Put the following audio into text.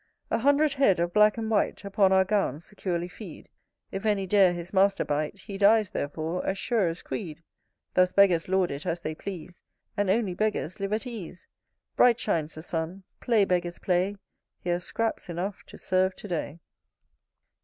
A hundred head of black and white Upon our gowns securely feed If any dare his master bite He dies therefore, as sure as creed. Thus Beggars lord it as they please; And only Beggars live at ease. Bright shines the sun; play, Beggars, play; Here's scraps enough to serve to day.